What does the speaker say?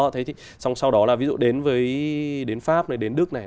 thế thì sau đó là ví dụ đến với đến pháp này đến đức này